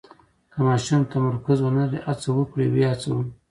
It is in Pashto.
که ماشوم تمرکز ونلري، هڅه وکړئ یې هڅوئ.